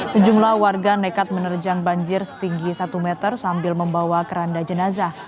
sejumlah warga nekat menerjang banjir setinggi satu meter sambil membawa keranda jenazah